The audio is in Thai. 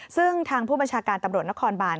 ซึ่งทางผู้บัญชาการตำรวจนครบาน